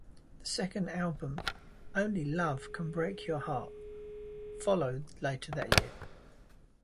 Second album "Only Love Can Break Your Heart" followed later that year.